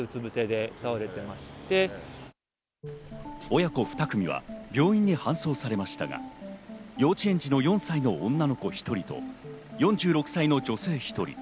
親子ふた組は病院に搬送されましたが幼稚園児の４歳の女の子１人と４６歳の女性１人。